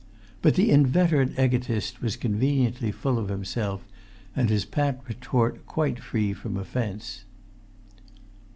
But the inveterate egotist was conveniently full of himself, and his pat retort quite free from offence.